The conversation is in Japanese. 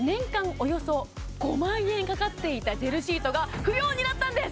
およそ５万円かかっていたジェルシートが不要になったんです